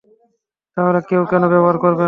তাহলে, কেউ কেন ব্যবহার করবে না?